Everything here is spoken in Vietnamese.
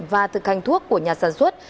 và thực hành thuốc của nhà sản xuất